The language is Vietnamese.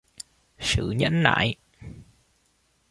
sự nhẫn nại